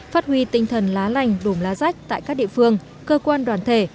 phát huy tinh thần lá lành đùm lá rách tại các địa phương cơ quan đoàn thể